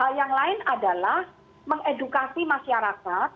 hal yang lain adalah mengedukasi masyarakat